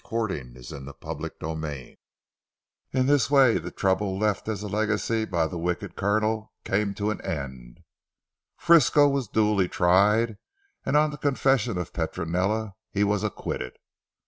CHAPTER XXVII A FINAL SURPRISE In this way the trouble left as a legacy by the wicked Colonel came to an end. Frisco was duly tried, and on the confession of Petronella he was acquitted.